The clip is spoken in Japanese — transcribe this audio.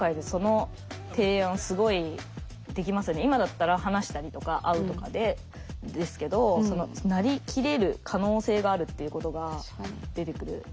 今だったら話したりとか会うとかですけどなりきれる可能性があるっていうことが出てくる。